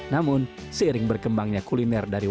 namun seiring berkembangnya kuliner dari wakil indonesia